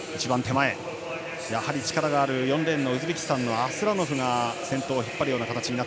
やはり力がある４レーン、ウズベキスタンアスラノフが先頭を引っ張る形。